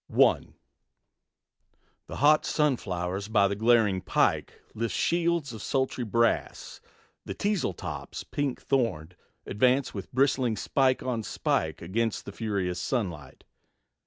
I. The hot sunflowers by the glaring pike Lift shields of sultry brass; the teasel tops, Pink thorned, advance with bristling spike on spike Against the furious sunlight.